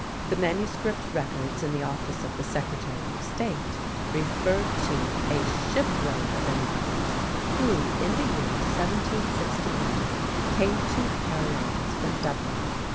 The manuscript records in the office of the Secretary of State refer to "a ship load of immigrants" who, in the year 1761, came to the Carolinas from Dublin.